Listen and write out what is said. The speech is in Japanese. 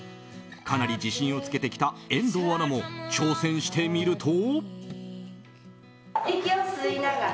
かなり自信をつけてきた遠藤アナも挑戦してみると。